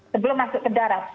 sebelum masuk ke darat